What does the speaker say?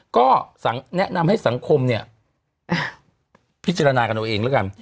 ก็แนะนำให้สังคมเนี่ยพิจารณากันเอาเองแล้วกัน